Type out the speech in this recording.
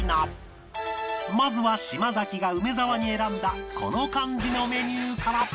まずは島崎が梅沢に選んだこの漢字のメニューから